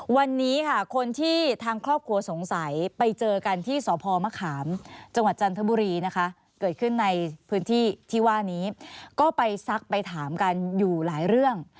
วันนี้ค่ะคนที่ทางครอบครัวสงสัยไปเจอกันที่สพมะขามจังหวัดจันทบุรีนะคะเกิดขึ้นในพื้นที่ที่ว่านี้ก็ไปซักไปถามกันอยู่หลายเรื่อง